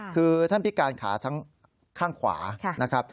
คือท่านพิการขาทั้งข้างขวานะครับ